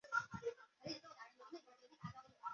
已知的内分泌干扰素烷基酚也是一种仿雌激素。